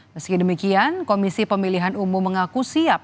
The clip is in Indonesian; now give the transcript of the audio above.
meski demikian komisi pemilihan umum mengaku siap